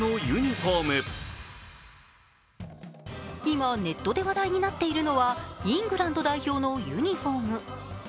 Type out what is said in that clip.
今、ネットで話題になっているのはイングランド代表のユニフォーム。